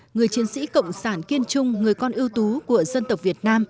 người chiến sĩ cộng sản kiên trung người con ưu tú của dân tộc việt nam